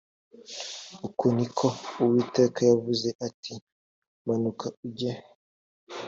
uku ni ko uwiteka yavuze ati manuka ujye